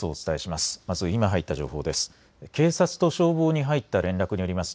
まず今入った情報です。